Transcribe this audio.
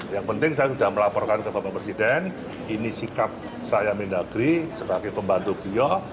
yang penting saya sudah melaporkan ke bapak presiden ini sikap saya mendagri sebagai pembantu beliau